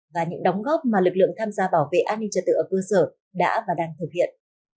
và những đóng góp mà lực lượng tham gia bảo vệ an ninh trật tự ở cơ sở đã và đang thực hiện